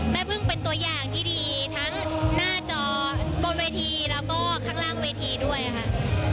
แม่พึ่งเป็นตัวอย่างที่ดีทั้งหน้าจบนเวทีแล้วก็ข้างล่างเวทีด้วยค่ะ